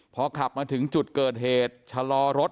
พอขับมาถึงจุดเกิดเหตุชะลอรถ